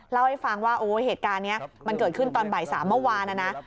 เล่าให้ฟังว่าเหตุการณ์นี้เกิดขึ้นตอนบ่ายสามเมื่อวาน